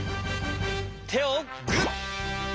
てをグッ！